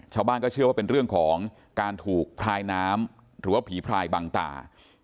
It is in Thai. ชาวบ้านก็เชื่อว่าเป็นเรื่องของการถูกพลายน้ำหรือว่าผีพลายบังตา